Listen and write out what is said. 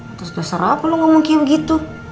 atas dasar apa lo ngomong kayak begitu